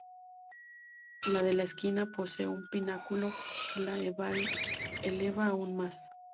La de la esquina posee un pináculo que la eleva aún más.